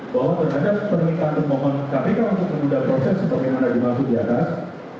bahwa terhadap pernikahan pemohon kpk untuk menunda proses seperti yang ada dimaksud di atas